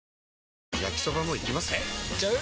えいっちゃう？